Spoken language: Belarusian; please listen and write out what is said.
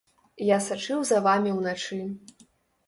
Я сачыў за вамі ўначы.